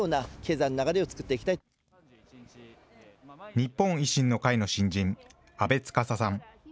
日本維新の会の新人、阿部司さん。